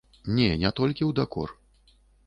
Не, не толькі ў дакор.